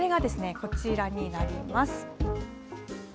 それがこちらになります。